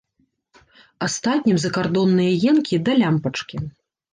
Астатнім закардонныя енкі да лямпачкі.